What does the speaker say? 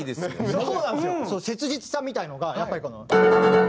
その切実さみたいなのがやっぱりこの。